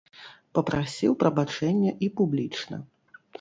Папрасіў прабачэння і публічна.